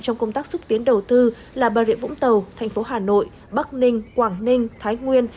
trong công tác xúc tiến đầu tư là bà rịa vũng tàu thành phố hà nội bắc ninh quảng ninh thái nguyên